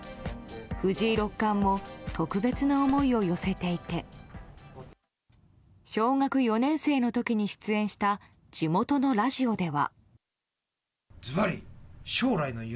藤井六冠も特別な思いを寄せていて小学４年生の時に出演した地元のラジオでは。